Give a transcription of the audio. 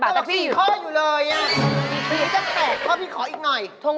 ผมถ้ำพี่อยู่เลยฮะผมถ้ำเจ้าแปลกข้อพี่ขออีกหน่อย